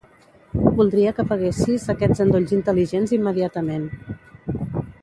Voldria que apaguessis aquests endolls intel·ligents immediatament.